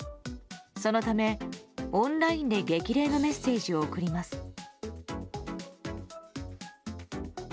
そのため、オンラインで激励のメッセージを送ります。